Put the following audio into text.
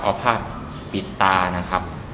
เอาภาพปิดตานะครับ